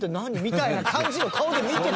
みたいな感じの顔で見てた。